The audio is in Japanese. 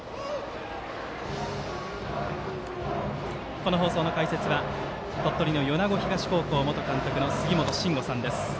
この放送の解説は鳥取の米子東高校元監督の杉本真吾さんです。